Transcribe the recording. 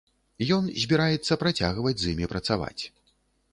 Ён збіраецца працягваць з імі працаваць.